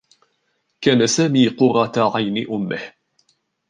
كان سامي قرّة عين أمّه.